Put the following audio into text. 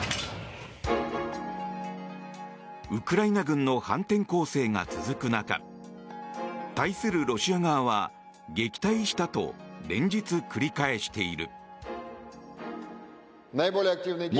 ウクライナ軍の反転攻勢が続く中対するロシア側は撃退したと連日繰り返している。